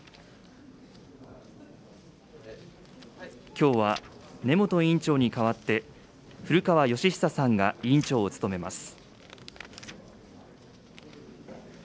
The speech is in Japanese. きょうは根本委員長に代わって、古川禎久さんが委員長を務めます。